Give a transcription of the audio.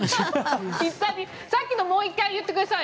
さっきのもう１回言ってください。